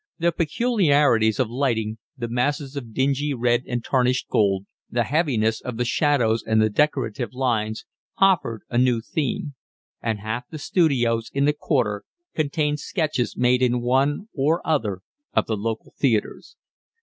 The peculiarities of lighting, the masses of dingy red and tarnished gold, the heaviness of the shadows and the decorative lines, offered a new theme; and half the studios in the Quarter contained sketches made in one or other of the local theatres.